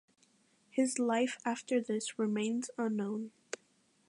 His life after this remains unknown.